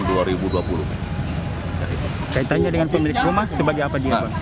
saya tanya dengan pemilik rumah sebagai apa dia